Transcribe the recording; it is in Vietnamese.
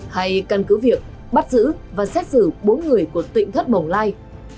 hay căn cứ việc bắt giữ và xét xử bốn người của tịnh thất bồng lai